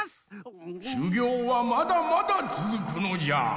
しゅぎょうはまだまだつづくのじゃ！